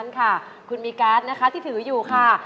ค่ะคุณมีการ์ดนะคะที่ถืออยู่ค่ะ